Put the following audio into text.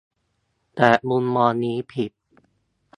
แต่มุมมองนี้ผิด